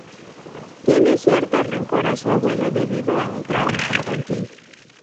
Tiene cierto rencor a su abuelo, debido a un trauma infantil.